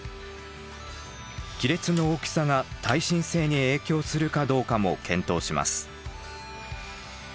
亀裂の大きさが耐震性に影響するかどうかも検討します。